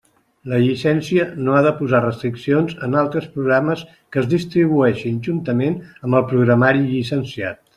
La llicència no ha de posar restriccions en altres programes que es distribueixin juntament amb el programari llicenciat.